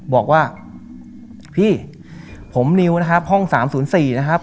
บอกว่าพี่ผมนิวนะครับห้อง๓๐๔นะครับ